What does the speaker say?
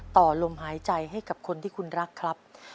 ต่อลมหายใจให้กับคนที่คุณรักครับ